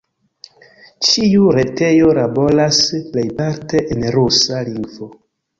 Ĉiu retejo laboras plejparte en rusa lingvo.